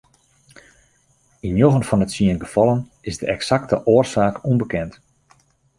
Yn njoggen fan de tsien gefallen is de eksakte oarsaak ûnbekend.